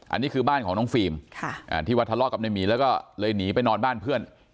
อันนี้คือบ้านของน้องฟิล์มที่ว่าทะเลาะกับนายหมีแล้วก็เลยหนีไปนอนบ้านเพื่อน